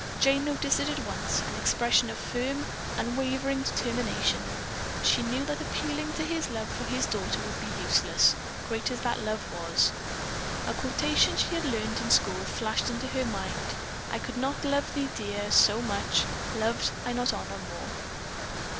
Jane noticed it at once; an expression of firm, unwavering determination. She knew that appealing to his love for his daughter would be useless, great as that love was. A quotation she had learned in school flashed into her mind "I could not love thee, dear, so much, loved I not honor more."